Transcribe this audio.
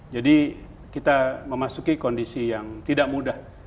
jadi kita memasuki kondisi yang tidak mudah